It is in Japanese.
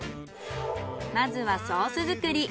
まずはソース作り。